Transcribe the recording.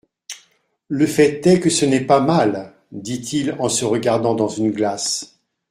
Le fait est que ce n'est pas mal, dit-il en se regardant dans une glace.